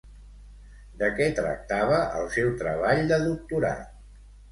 De què tractava el seu treball de doctorat?